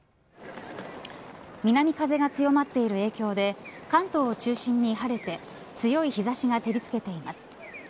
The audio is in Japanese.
南風が強まっている影響で関東を中心に晴れて強い日差しが照りつけています。